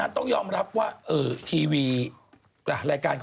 อะไรสักอย่าง